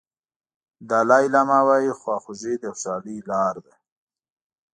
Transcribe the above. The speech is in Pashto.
دالای لاما وایي خواخوږي د خوشالۍ لار ده.